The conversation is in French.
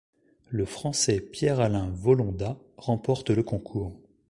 Le Français Pierre-Alain Volondat remporte le concours.